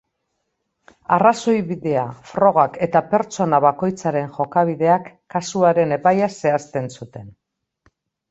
Arrazoibidea, frogak eta pertsona bakoitzaren jokabideak kasuaren epaia zehazten zuten.